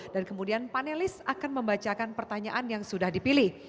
dan kemudian panelis akan membacakan pertanyaan yang sudah dipilih